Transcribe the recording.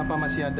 apa masih ada